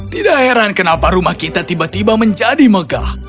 tidak heran kenapa rumah kita tiba tiba menjadi megah